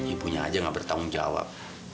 ibunya aja nggak bertanggung jawab